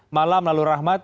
malam lalu rahmat